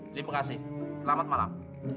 terima kasih selamat malam